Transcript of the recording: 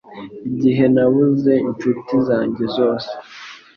Igihe nabuze inshuti zanjye zose